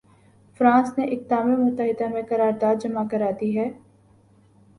France نے اقدام متحدہ میں قرارداد جمع کرا دی ہے۔